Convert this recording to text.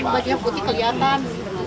minta air putih kelihatan